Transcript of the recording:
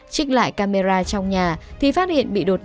trích lại camera trong nhà thì phát hiện bị đột ngộ